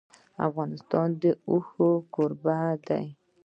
افغانستان د اوښ کوربه دی.